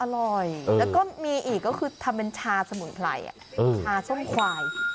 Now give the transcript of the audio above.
อร่อยแล้วก็มีอีกก็คือทำเป็นชาสมุนไพรชาส้มควาย